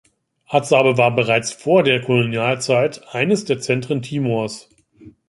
Atsabe war bereits vor der Kolonialzeit eines der Zentren Timors.